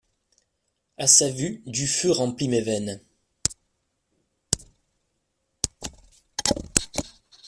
A sa vue, du feu remplit mes veines.